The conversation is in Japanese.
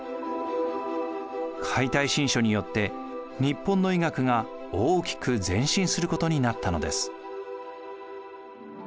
「解体新書」によって日本の医学が大きく前進することになったのです。